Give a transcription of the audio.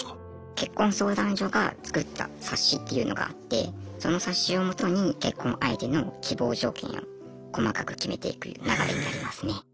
結婚相談所が作った冊子っていうのがあってその冊子を基に結婚相手の希望条件を細かく決めていく流れになりますね。